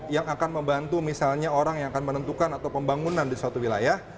yang akan membantu misalnya orang yang akan menentukan atau pembangunan di suatu wilayah